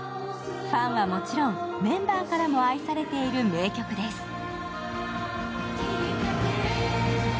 ファンはもちろんメンバーからも愛されている名曲です。